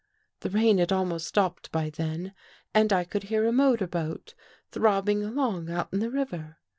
" The rain had almost stopped by then, and I could hear a motor boat throbbing along out in the river.